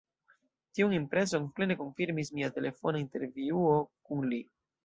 Tiun impreson plene konfirmis mia telefona intervjuo kun li.